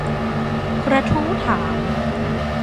กระทู้ถาม